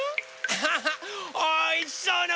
ハハハおいしそうな